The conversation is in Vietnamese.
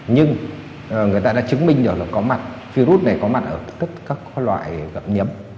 nhưng người ta đã chứng minh được là có mặt virus này có mặt ở tất các loại gậm nhấm